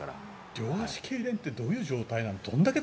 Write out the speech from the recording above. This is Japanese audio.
両足けいれんってどんな状態なの。